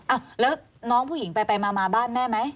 อ้าวแล้วน้องผู้หญิงไปมาบ้านแม่ไหม